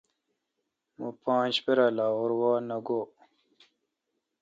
مہ پانچ پرا°لاہور وہ نہ گوئ۔